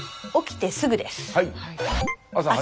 起きてすぐです。